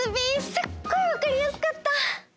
すっごいわかりやすかった！